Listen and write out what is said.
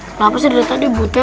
kenapa sedih tadi butet